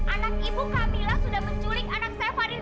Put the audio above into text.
anak ibu kamilah sudah menculik anak saya fadil